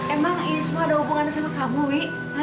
emang ini semua ada hubungan sama kamu wi